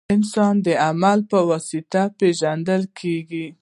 • انسان د عمل په واسطه پېژندل کېږي.